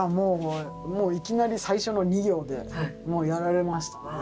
もういきなり最初の２行でもうやられましたね。